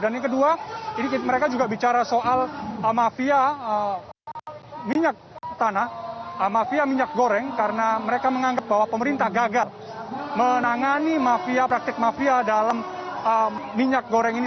dan yang kedua mereka juga bicara soal mafia minyak tanah mafia minyak goreng karena mereka menganggap bahwa pemerintah gagal menangani praktik mafia dalam minyak goreng ini